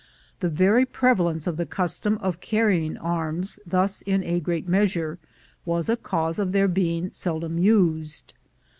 The very preva lence of the custom of carrying arms thus in a great measure was a cause of their being seldom used.